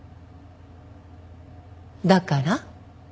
だから？